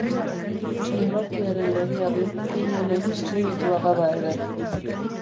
Hierarkiaren legea du, inon ez eskribitua bada ere.